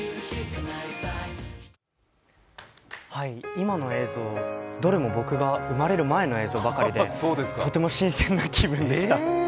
今の映像、どれも僕が生まれる前の映像でとても新鮮な気分でした。